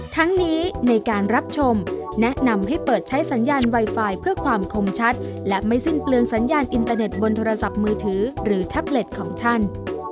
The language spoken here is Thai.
ทั้งนี้ในการรับชมแนะนำให้เปิดใช้สัญญาณไวไฟเพื่อความคมชัดและไม่สิ้นเปลืองสัญญาณอินเตอร์เน็ตบนโทรศัพท์มือถือหรือแท็บเล็ตของท่าน